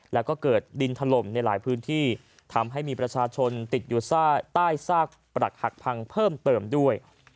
แล้วก็เกิดดินถล่มในหลายพื้นที่ทำให้มีประชาชนติดอยู่ใต้ซากปรักหักพังเพิ่มเติมด้วย